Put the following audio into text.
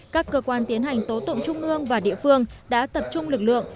các cơ quan tiến hành tố tụng trung ương và địa phương đã tập trung lực lượng